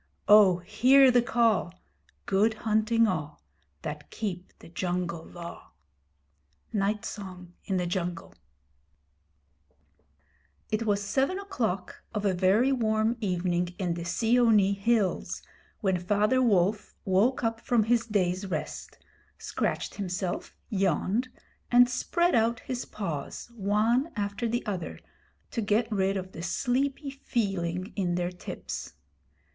Oh hear the call! Good hunting all That keep the Jungle Law! Night Song in the Jungle. It was seven o'clock of a very warm evening in the Seeonee hills when Father Wolf woke up from his day's rest, scratched himself, yawned, and spread out his paws one after the other to get rid of the sleepy feeling in their tips.